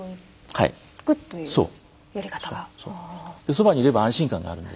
そばにいれば安心感があるので。